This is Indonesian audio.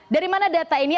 dari mana data ini